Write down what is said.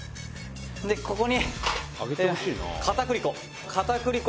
「でここに片栗粉！」